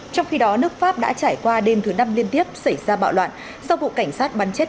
trong khi đó nước pháp đã trải qua đêm thứ năm liên tiếp xảy ra bạo loạn sau vụ cảnh sát bắn chết